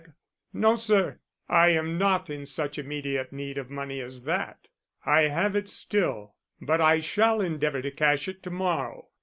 "No, sir; I am not in such immediate need of money as that. I have it still, but I shall endeavor to cash it to morrow.